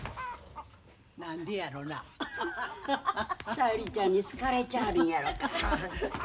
小百合ちゃんに好かれちゃあるんやろか。